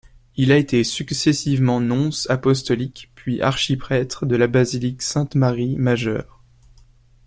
Il a été successivement nonce apostolique puis archiprêtre de la basilique Sainte-Marie Majeure.